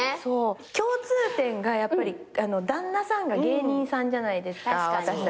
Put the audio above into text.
共通点がやっぱり旦那さんが芸人さんじゃないですか私たち。